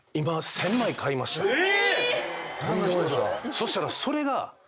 そしたらそれが。